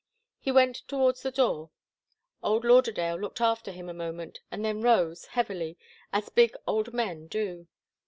He went towards the door. Old Lauderdale looked after him a moment and then rose, heavily, as big old men do.